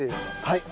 はい。